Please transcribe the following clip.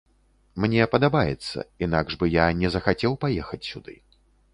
Мне падабаецца, інакш бы я не захацеў паехаць сюды.